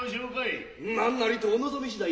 何なりとお望み次第。